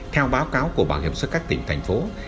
theo báo cáo của bảo hiểm xã hội các tỉnh thành phố